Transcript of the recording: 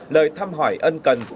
lời thăm hỏi ân cần